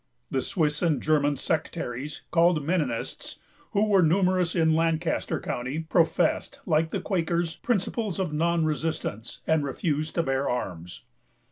The Swiss and German sectaries called Mennonists, who were numerous in Lancaster County, professed, like the Quakers, principles of non resistance, and refused to bear arms.